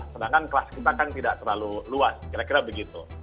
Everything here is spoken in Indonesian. sedangkan kelas kita kan tidak terlalu luas kira kira begitu